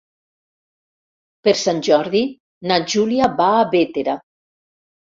Per Sant Jordi na Júlia va a Bétera.